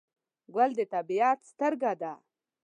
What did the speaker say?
ګل د طبیعت سترګه ده.